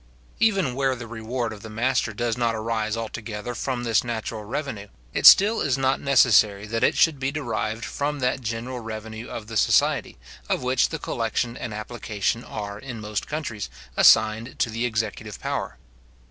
Even where the reward of the master does not arise altogether from this natural revenue, it still is not necessary that it should be derived from that general revenue of the society, of which the collection and application are, in most countries, assigned to the executive power.